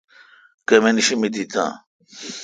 کمِن شی مے دہتہ؟